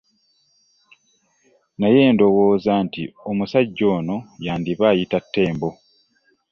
Naye ndowooza nti omusajja ono yandiiba ayita ttembo.